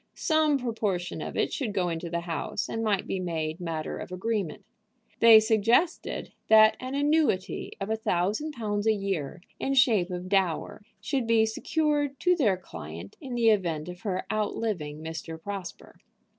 Some proportion of it should go into the house, and might be made matter of agreement. They suggested that an annuity of a thousand pounds a year, in shape of dower, should be secured to their client in the event of her outliving Mr. Prosper.